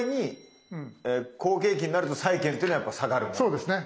そうですね。